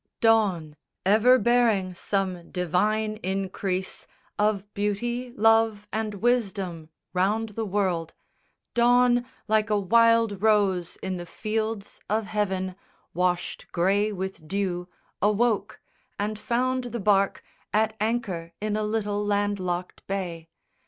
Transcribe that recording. "_ Dawn, ever bearing some divine increase Of beauty, love, and wisdom round the world, Dawn, like a wild rose in the fields of heaven Washed grey with dew, awoke, and found the barque At anchor in a little land locked bay.